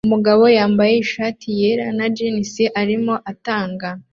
Umugabo wambaye ishati yera na jans arimo atanga